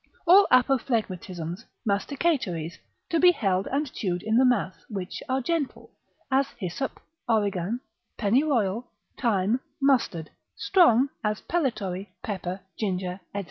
Or apophlegmatisms, masticatories, to be held and chewed in the mouth, which are gentle, as hyssop, origan, pennyroyal, thyme, mustard; strong, as pellitory, pepper, ginger, &c.